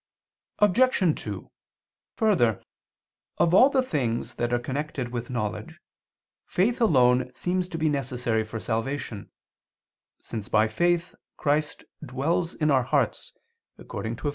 Obj. 2: Further, of all the things that are connected with knowledge, faith alone seems to be necessary for salvation, since by faith Christ dwells in our hearts, according to Eph.